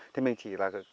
thì mình chỉ là